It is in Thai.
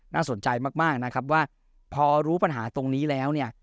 น่าสนใจมากนะครับว่าพอรู้ปัญหาตรงนี้แล้วเนี่ย